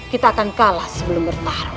kita akan kalah sebelum bertahan